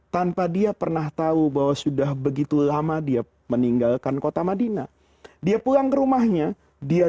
tanpa dia pernah tahu bahwa sudah begitu lama dia meninggalkan kota madinah dia pulang ke rumahnya dia